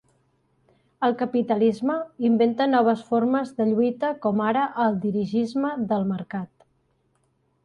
El capitalisme inventa noves formes de lluita com ara el dirigisme del mercat.